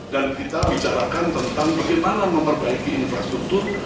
dan kita bicarakan tentang bagaimana memperbaiki infrastruktur